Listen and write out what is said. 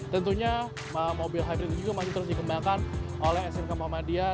tentunya mobil hybrid ini juga masih terus dikembangkan oleh smk muhammadiyah